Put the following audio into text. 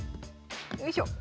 よいしょ！